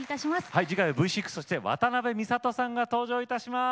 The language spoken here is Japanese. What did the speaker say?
次回はＶ６そして渡辺美里さんが登場いたします。